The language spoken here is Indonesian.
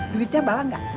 duitnya bawa enggak